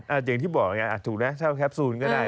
อย่างที่บอกอย่างนี้ถูกนะเช่าแคปซูนก็ได้